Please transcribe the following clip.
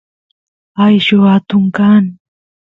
ayllu atun kan